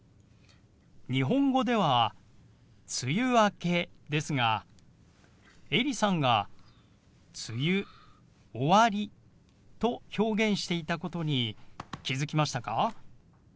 日本語では「梅雨明け」ですがエリさんが「梅雨」「終わり」と表現していたことに気付きましたか？